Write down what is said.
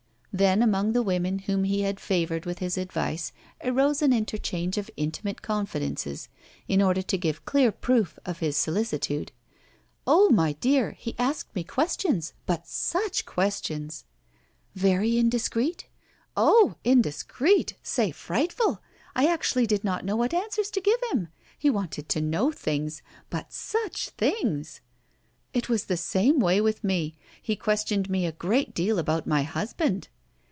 Then, among the women whom he had favored with his advice arose an interchange of intimate confidences, in order to give clear proof of his solicitude. "Oh! my dear, he asked me questions but such questions!" "Very indiscreet?" "Oh! indiscreet! Say frightful. I actually did not know what answers to give him. He wanted to know things but such things!" "It was the same way with me. He questioned me a great deal about my husband!"